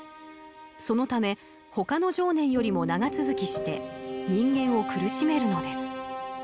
そのため他の情念よりも長続きして人間を苦しめるのです。